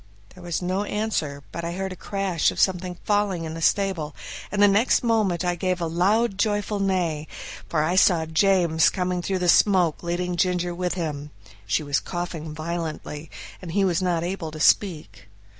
There was no answer, but I heard a crash of something falling in the stable, and the next moment I gave a loud, joyful neigh, for I saw James coming through the smoke leading Ginger with him; she was coughing violently, and he was not able to speak.